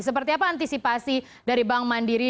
seperti apa antisipasi dari bank mandiri